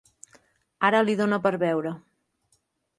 Ara li dona per beure.